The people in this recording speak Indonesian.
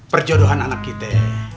perjodohan anak kita